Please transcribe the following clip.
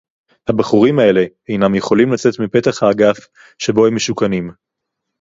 הבחורים האלה אינם יכולים לצאת מפתח האגף שבו הם משוכנים